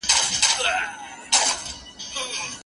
زما زړگی سپين نه دی تور دی، ستا بنگړي ماتيږي